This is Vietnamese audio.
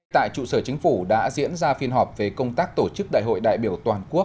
tại trụ sở chính phủ đã diễn ra phiên họp về công tác tổ chức đại hội đại biểu toàn quốc